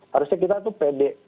harusnya kita itu pede